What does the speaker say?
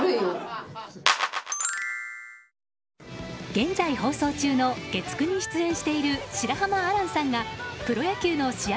現在放送中の月９に出演している白濱亜嵐さんがプロ野球の試合